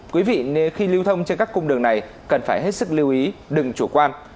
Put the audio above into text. quý vị nếu khi lưu thông trên các cung đường này cần phải hết sức lưu ý đừng chủ quan